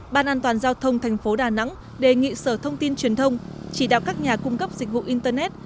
ban an toàn giao thông thành phố đà nẵng đề nghị sở thông tin truyền thông chỉ đạo các nhà cung cấp dịch vụ internet